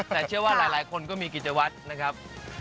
แต่เชื่อว่าหลายคนก็มีกิจวัตรนะครับ